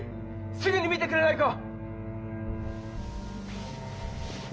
すぐに診てくれないか？